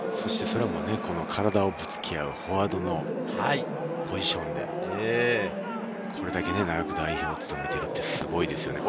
体をぶつけ合うフォワードのポジションで、これだけ長く代表を務めているってすごいですよね。